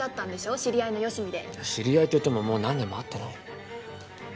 知り合いのよしみで知り合いといってももう何年も会ってない